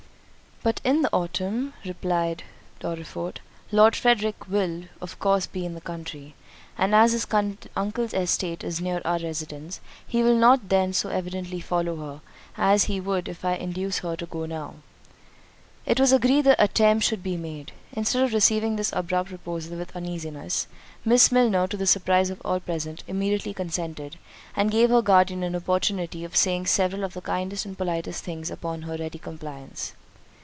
"But in the autumn," replied Dorriforth, "Lord Frederick will of course be in the country; and as his uncle's estate is near our residence, he will not then so evidently follow her, as he would if I could induce her to go now." It was agreed the attempt should be made. Instead of receiving this abrupt proposal with uneasiness, Miss Milner, to the surprise of all present, immediately consented; and gave her guardian an opportunity of saying several of the kindest and politest things upon her ready compliance.